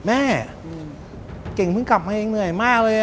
แม่เก่งเพิ่งกลับมาเองเหนื่อยมากเลย